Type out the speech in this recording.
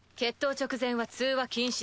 直前は通話禁止だ。